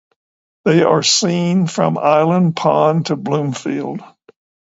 They are seen from Island Pond to Bloomfield.